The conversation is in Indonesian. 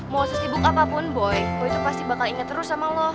mau sesibuk apapun boy bo itu pasti bakal ingat terus sama lo